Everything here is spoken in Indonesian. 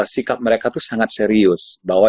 sikap mereka itu sangat serius bahwa